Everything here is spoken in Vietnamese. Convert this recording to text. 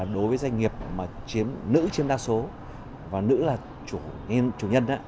đối với doanh nghiệp nữ chiếm đa số và nữ là chủ nhân